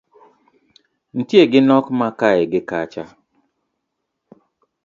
Nitie gi nok ma kae gi kacha